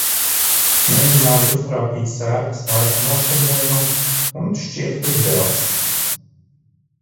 Mēģināju uztrāpīt sērgas laika noskaņojumam, un, šķiet, ka izdevās.